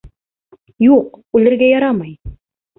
Юҡ, үлергә ярамай.